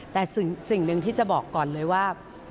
แต่สิ่งหนึ่งที่จะบอกก่อนเลยว่า